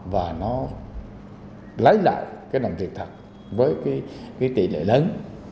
và nó lấy lại cái đồng tiền thật với cái tỷ lệ lớn